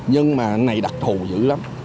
nhưng mà này đặc thù dữ lắm